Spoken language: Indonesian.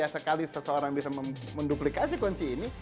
sekali seseorang bisa menduplikasi kunci ini